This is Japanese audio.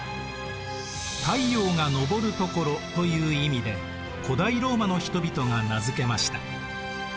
太陽が昇るところという意味で古代ローマの人々が名付けました。